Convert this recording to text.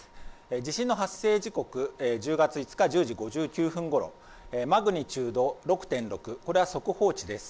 地震の発生時刻１０月５日１０時５９分ごろ、マグニチュード６．６これは速報値です。